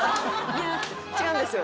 違うんですよ。